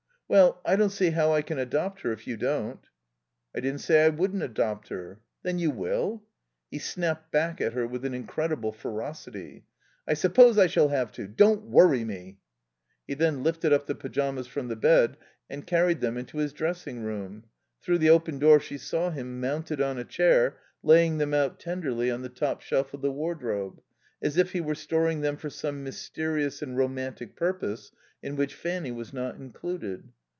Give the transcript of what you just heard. "Well I don't see how I can adopt her, if you don't." "I didn't say I wouldn't adopt her." "Then you will?" He snapped back at her with an incredible ferocity. "I suppose I shall have to. Don't worry me!" He then lifted up the pyjamas from the bed and carried them into his dressing room. Through the open door she saw him, mounted on a chair, laying them out, tenderly, on the top shelf of the wardrobe: as if he were storing them for some mysterious and romantic purpose in which Fanny was not included.